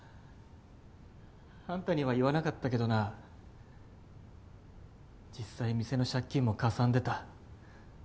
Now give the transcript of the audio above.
あんたには言わなかったけどな実際店の借金もかさんでた。